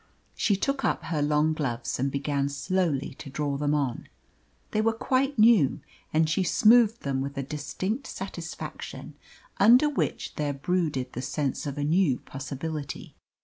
She took up her long gloves and began slowly to draw them on. They were quite new, and she smoothed them with a distinct satisfaction, under which there brooded the sense of a new possibility.